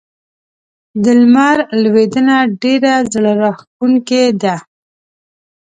د لمر لوېدنه ډېره زړه راښکونکې ده.